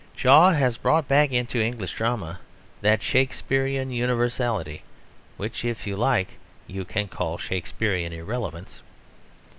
Shaw has brought back into English drama that Shakespearian universality which, if you like, you can call Shakespearian irrelevance.